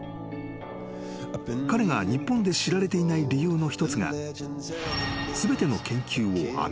［彼が日本で知られていない理由の一つが］